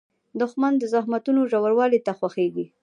دښمن د زخمونو ژوروالۍ ته خوښیږي